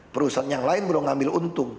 perusahaan yang lain belum ngambil untung